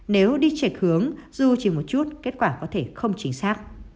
nếu đi chạch hướng dù chỉ một chút kết quả có thể không chính xác